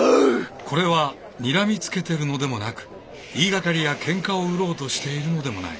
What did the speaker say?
これはにらみつけてるのでもなく言いがかりやケンカを売ろうとしているのでもない。